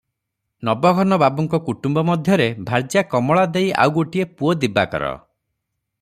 ନବଘନ ବାବୁଙ୍କ କୁଟୂମ୍ବ ମଧ୍ୟରେ ଭାର୍ଯ୍ୟା କମଳା ଦେଈ ଆଉ ଗୋଟିଏ ପୁଅ ଦିବାକର ।